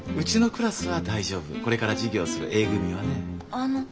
あの。